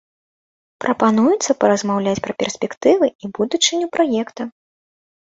Прапануецца паразмаўляць пра перспектывы і будучыню праекта.